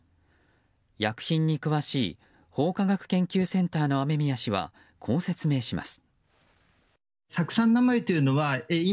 薬品に詳しい法科学研究センターの雨宮氏はこう説明します。